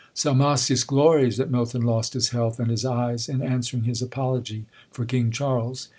Salmasius glories that Milton lost his health and his eyes in answering his apology for King Charles!